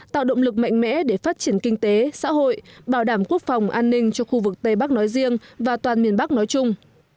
tạo động lực mạnh mẽ để phát triển kinh tế xã hội bảo đảm quốc phòng an ninh cho khu vực tây bắc nói riêng và toàn miền bắc nói chung